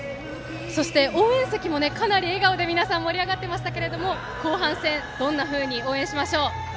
そして応援席もかなり笑顔で皆さん盛り上がっていましたが後半戦、どんなふうに応援しましょう。